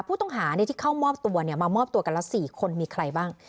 ผู้ต้องหาที่เข้ามอบตัวมามอบตัวกันละ๔คนมีใครบ้าง